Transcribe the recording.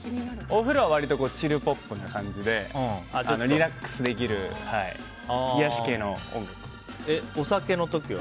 お風呂は割とチルポップな感じでリラックスできる癒やし系の音楽を。